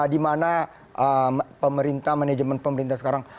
dimana pemerintah manajemen pemerintah sekarang